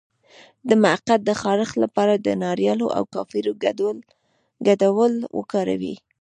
د مقعد د خارښ لپاره د ناریل او کافور ګډول وکاروئ